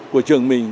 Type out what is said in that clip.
của trường mình